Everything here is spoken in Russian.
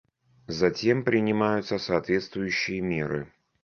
Затем принимаются соответствующие меры.